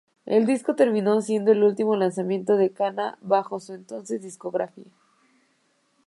El disco terminó siendo el último lanzamiento de Kana bajo su entonces discográfica.